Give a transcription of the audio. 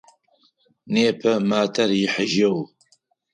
Непэ матэр ыхьыжьыгъ.